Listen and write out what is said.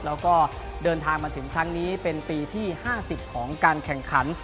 แล้วก็เดินทางมาถึงครั้งนี้เป็นปีที่๕๐ของการแข่งขัน